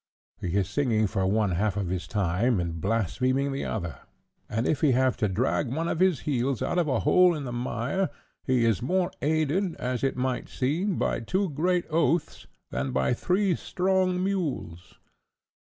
He is singing for one half of his time, and blaspheming the other; and if he have to drag one of his wheels out of a hole in the mire, he is more aided, as it might seem, by two great oaths than by three strong mules.